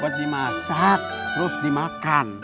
buat dimasak terus dimakan